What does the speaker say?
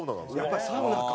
やっぱりサウナか！